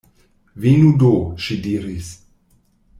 Venu do, ŝi diris.